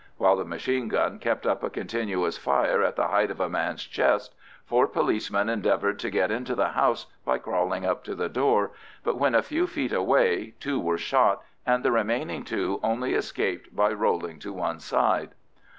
While the machine gun kept up a continuous fire at the height of a man's chest, four policemen endeavoured to get into the house by crawling up to the door, but when a few feet away two were shot, and the remaining two only escaped by rolling to one side.